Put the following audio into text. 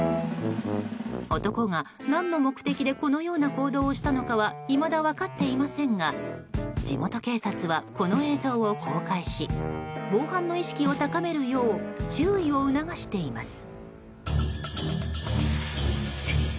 男が何の目的でこのような行動をしたのかはいまだ分かっていませんが地元警察はこの映像を公開し防犯の意識を高めるよう注意を促しています。